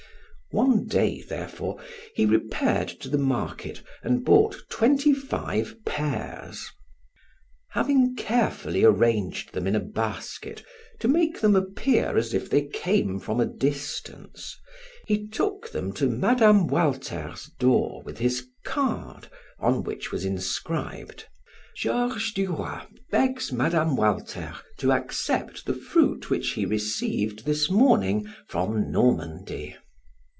One day, therefore, he repaired to the market and bought twenty five pears. Having carefully arranged them in a basket to make them appear as if they came from a distance he took them to Mme. Walter's door with his card on which was inscribed: "Georges Duroy begs Mme. Walter to accept the fruit which he received this morning from Normandy."